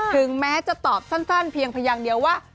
ถึงแม้จะตอบสั้นเพียงพยางเดียวว่า